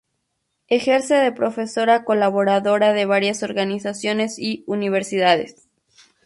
Ejerce de profesora colaboradora de varias organizaciones y universidades.